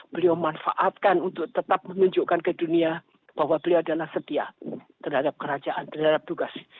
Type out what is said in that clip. beliau manfaatkan untuk tetap menunjukkan ke dunia bahwa beliau adalah setia terhadap kerajaan terhadap tugas